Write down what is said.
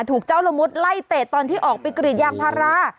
ถูกเจ้าละมุดไล่เตะตอนที่ออกไปกรีดยางพารา